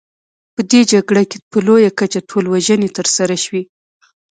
په دې جګړه کې په لویه کچه ټولوژنې ترسره شوې.